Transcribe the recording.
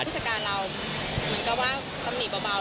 ผู้จัดการเรามันก็ว่าตำหนี่เบา